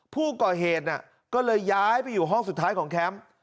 ผู้ก่อเหตุก็เลยย้ายไปอยู่ห้องสุดท้ายของแคมป์